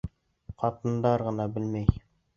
Ҡатындар ғына белмәй!